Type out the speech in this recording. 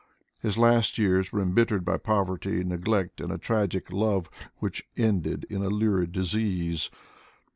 His last years were embittered by poverty, neglect, and a tragic love which ended in a lurid disease.